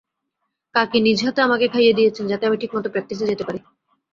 কাকি নিজ হাতে আমাকে খাইয়ে দিয়েছেন, যাতে আমি ঠিকমতো প্র্যাকটিসে যেতে পারি।